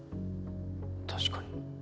確かに。